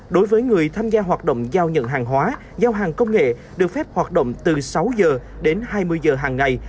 đối với người tham gia hoạt động giao nhận hàng hóa giao hàng công nghệ được phép hoạt động từ sáu giờ đến hai mươi giờ hàng ngày